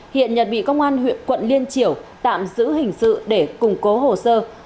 hiện nhật bị công an huyện quận liên triểu tạm giữ hình sự để củng cố hồ sơ